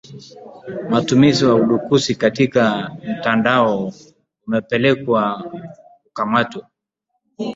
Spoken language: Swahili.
Matumizi ya udukuzi katika mitandao umepelekea kukamatwa